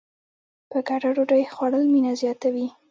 په ګډه ډوډۍ خوړل مینه زیاتوي.